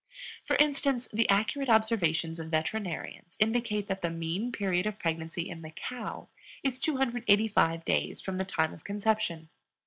For instance, the accurate observations of veterinarians indicate that the mean period of pregnancy in the cow is 285 days from the time of conception.